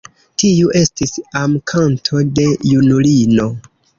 Tiu estis amkanto de junulino.